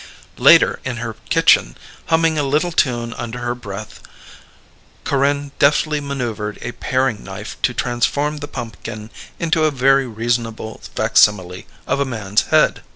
Later in her kitchen, humming a little tune under her breath, Corinne deftly maneuvered a paring knife to transform the pumpkin into a very reasonable facsimile of a man's head.